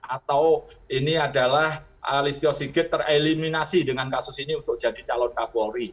atau ini adalah listio sigit tereliminasi dengan kasus ini untuk jadi calon kapolri